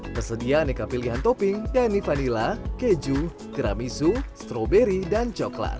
tersedia aneka pilihan topping yakni vanila keju tiramisu stroberi dan coklat